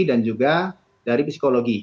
dan juga dari psikologi